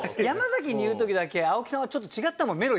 山崎に言う時だけ青木さんはちょっと違ったもん